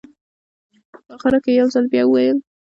په اخره کې یې یو ځل بیا وویل.